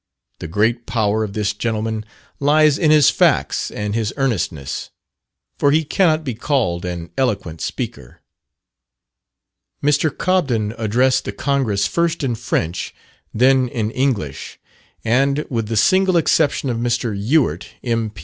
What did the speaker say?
The great power of this gentleman lies in his facts and his earnestness, for he cannot be called an eloquent speaker. Mr. Cobden addressed the Congress first in French, then in English; and, with the single exception of Mr. Ewart, M.